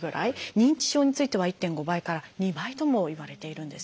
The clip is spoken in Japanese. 認知症については１．５倍から２倍ともいわれているんです。